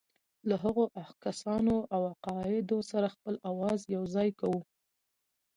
له هغو کسانو او عقایدو سره خپل آواز یوځای کوو.